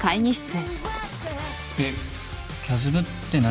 えっキャズムって何？